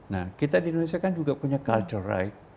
nah kita di indonesia kan juga punya culture right